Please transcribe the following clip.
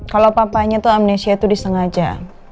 kalau papanya tuh amnesia itu disengaja